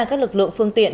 các lực lượng phương tiện